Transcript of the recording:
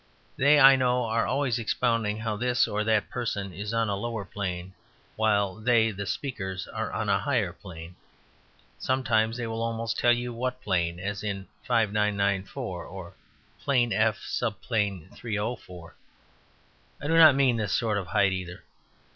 They, I know, are always expounding how this or that person is on a lower plane, while they (the speakers) are on a higher plane: sometimes they will almost tell you what plane, as "5994" or "Plane F, sub plane 304." I do not mean this sort of height either.